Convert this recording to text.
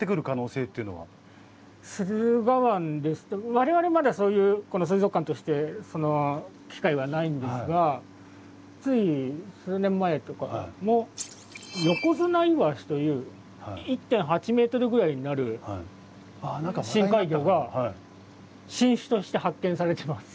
我々まだ水族館として機会はないんですがつい数年前とかもヨコヅナイワシという１．８ｍぐらいになる深海魚が新種として発見されてます。